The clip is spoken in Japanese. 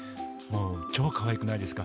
超かわいくないですか？